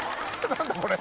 何だこれ。